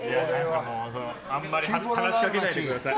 あんまり話しかけないでください。